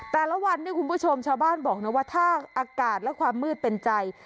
แต่ละวันเนี่ยคุณผู้ชมชาวบ้านบอกนะว่าถ้าอากาศและความมืดเป็นใจ